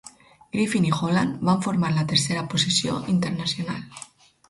Griffin i Holland van formar la Tercera Posició Internacional.